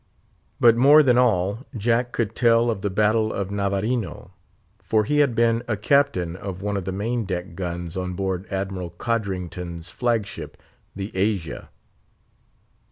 But more than all, Jack could tell of the battle of Navarino, for he had been a captain of one of the main deck guns on board Admiral Codrington's flag ship, the Asia.